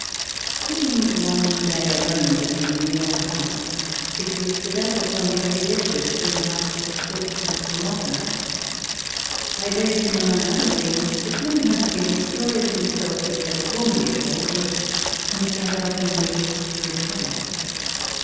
Sitting one day alone with him in your house (it was the day but one before he left it to embark at Portsmouth for Malta), I led him, among other things, to tell me once again a story of himself which he had formerly told me, and which I had often wished to recover.